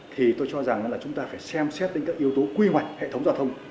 thì tôi cho rằng là chúng ta phải xem xét đến các yếu tố quy hoạch hệ thống giao thông